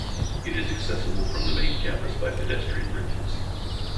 It is accessible from the main campus by pedestrian bridges.